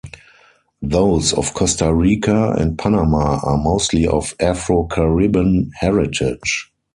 Those of Costa Rica and Panama are mostly of Afro-Caribbean heritage.